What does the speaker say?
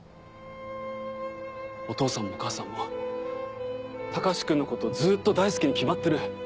お父さんもお母さんも隆君のことをずっと大好きに決まってる。